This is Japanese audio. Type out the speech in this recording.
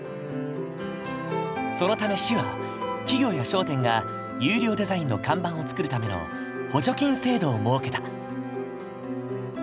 そのため市は企業や商店が優良デザインの看板を作るための補助金制度を設けた。